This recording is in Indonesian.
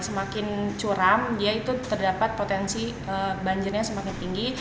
semakin curam dia itu terdapat potensi banjirnya semakin tinggi